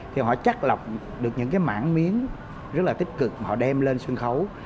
thì họ chắc lọc được những cái mảng miếng rất là tích cực mà họ đem lên sân khấu